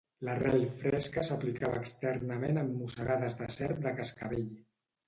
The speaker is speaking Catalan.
L'arrel fresca s'aplicava externament en mossegades de serp de cascavell.